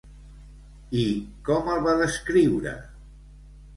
I com el va descriure?